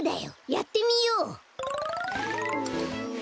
やってみよう！